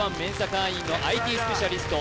会員のＩＴスペシャリスト